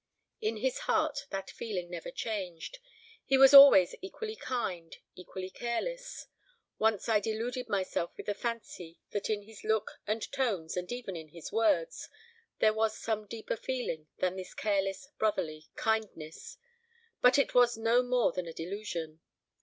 In his heart that feeling never changed. He was always equally kind, equally careless. Once I deluded myself with the fancy that in his looks and tones, and even in his words, there was some deeper feeling than this careless brotherly kindness; but it was no more than a delusion.